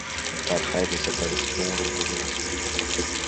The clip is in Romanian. Dar haideți să clarificăm următorul aspect.